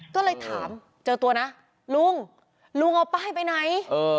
ก็เลยถามเจอตัวนะลุงลุงเอาป้ายไปไหน